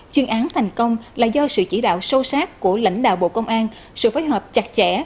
chuyên án thành công là do sự chỉ đạo sâu sát của lãnh đạo bộ công an sự phối hợp chặt chẽ